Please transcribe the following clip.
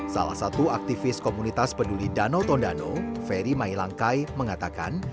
salah satu aktivis komunitas peduli danau tondano ferry mailangkai mengatakan